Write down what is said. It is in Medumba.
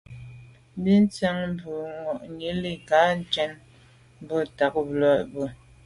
Bìn síáŋ bû’ŋwà’nǐ lî kά njə́n mə̂n mbwɔ̀ ntὰg lά bwə́.